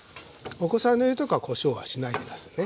お子さんのいる時はこしょうはしないで下さいね。